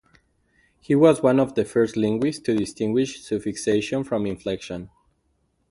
He was one of the first linguists to distinguish suffixation from inflection.